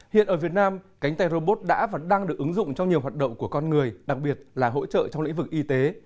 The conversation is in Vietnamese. hiện ở việt nam cánh tay robot đã và đang được ứng dụng trong nhiều hoạt động của con người đặc biệt là hỗ trợ trong lĩnh vực y tế